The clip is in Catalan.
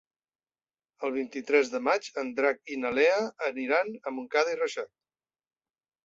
El vint-i-tres de maig en Drac i na Lea aniran a Montcada i Reixac.